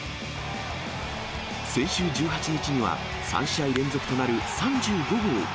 先週１８日には、３試合連続となる３５号。